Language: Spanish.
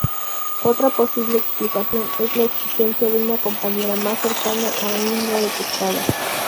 Otra posible explicación es la existencia de una compañera más cercana aún no detectada.